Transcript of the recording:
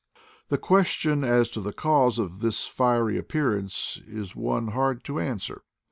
The question as to the cause of this fiery ap pearance is one hard to answer.